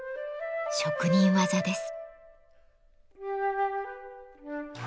職人技です。